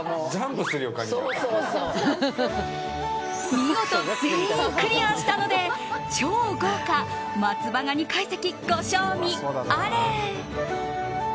見事、全員クリアしたので超豪華松葉ガニ会席ご賞味あれ！